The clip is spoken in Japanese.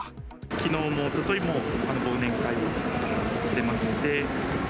きのうもおとといも忘年会をしてまして。